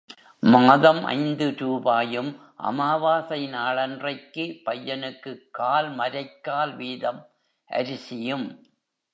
மாதம் ஐந்து ரூபாயும் அமாவாசை நாளன்றைக்கு பையனுக்குக் கால் மரைக்கால் வீதம் அரிசியும்.